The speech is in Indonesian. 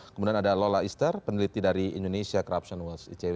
kemudian ada lola ister peneliti dari indonesia corruption watch icw